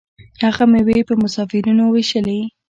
هغه میوې په مسافرینو ویشلې.